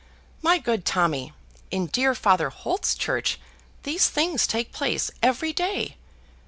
My good Tommy, in dear Father Holt's church these things take place every day.